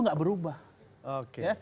enggak berubah oke